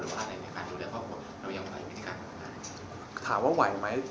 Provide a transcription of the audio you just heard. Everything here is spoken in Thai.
หรือว่าในการดูแลครอบครัวเรายังไหวไม่ได้กัน